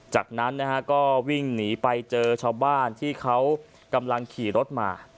จากนั้นนะฮะก็วิ่งหนีไปเจอชาวบ้านที่เขากำลังขี่รถมา